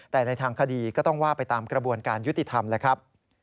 แต่ในทางคดีก็ต้องว่าไปตามกระบวนการยุติธรรมแล้วครับ